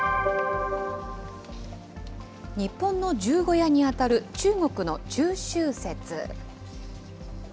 日本の十五夜に当たる中国の中秋節。